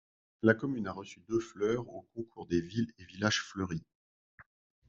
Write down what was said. La commune a reçu deux fleurs au concours des villes et villages fleuris.